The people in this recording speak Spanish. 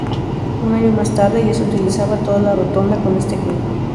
Un año más tarde, ya se utilizaba toda la rotonda con este fin.